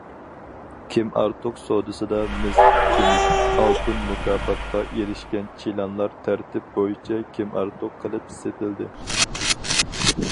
كىمئارتۇق سودىسىدا مىس، كۈمۈش، ئالتۇن مۇكاپاتقا ئېرىشكەن چىلانلار تەرتىپ بويىچە كىمئارتۇق قىلىپ سېتىلدى.